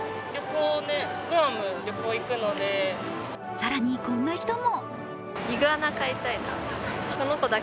更にこんな人も。